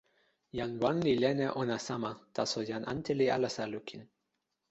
jan wan li len e ona sama, taso jan ante li alasa lukin.